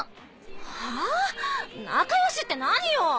はぁ⁉仲良しって何よ！